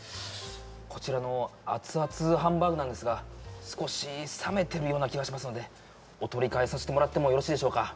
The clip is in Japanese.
こちらの熱々ハンバーグなんですが少し冷めてるような気がしますのでお取り替えさせてもらってもよろしいでしょうか？